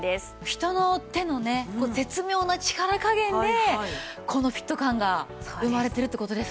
人の手のね絶妙な力加減でこのフィット感が生まれてるって事ですもんね。